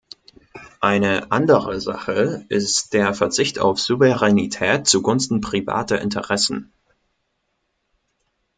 Eine andere Sache ist der Verzicht auf Souveränität zugunsten privater Interessen.